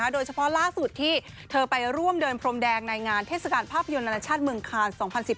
โดยเฉพาะล่าสุดที่เธอไปร่วมเดินพรมแดงในงานเทศกาลภาพยนตร์นานาชาติเมืองคาน๒๐๑๘